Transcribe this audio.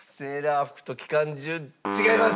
違います！